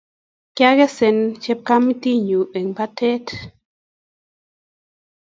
Kiakesen chepkametinyuu eng batet